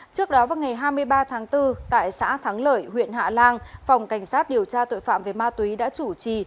trước đó vào ngày hai mươi ba tháng bốn tại xã thắng lợi huyện hạ lan phòng cảnh sát điều tra tội phạm về ma túy đã chủ trì